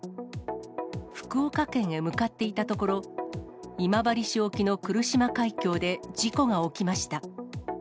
福岡県へ向かっていたところ、今治市沖の来島海峡で事故が起きました。